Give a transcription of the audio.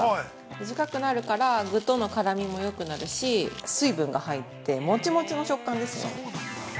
短くなるから具との絡みもよくなるし、水分が入ってもちもちの食感ですね。